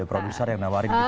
ada produser yang nawarin gitu